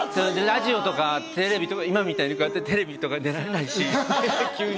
ラジオとかテレビとか、今みたいにテレビとか出られないし。